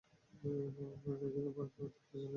নর্তকীদের পর্দার অন্তরালে চলে যাবার নির্দেশ হয়।